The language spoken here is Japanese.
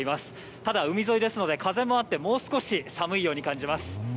ただ海沿いですので、風もあって、もう少し寒いように感じます。